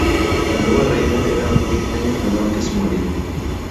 La nueva reina era veinte años menor que su marido.